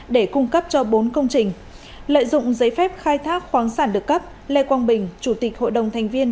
để cung cấp cho bốn công trình lợi dụng giấy phép khai thác khoáng sản được cấp lê quang bình chủ tịch hội đồng thành viên